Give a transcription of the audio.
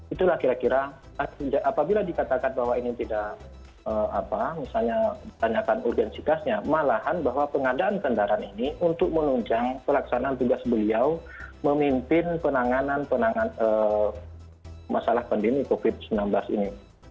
itulah kira kira apabila dikatakan bahwa ini tidak apa misalnya tanyakan urgensitasnya malahan bahwa pengadaan kendaraan ini untuk menunjang pelaksanaan tugas beliau memimpin penanganan penanganan masalah pandemi covid sembilan belas ini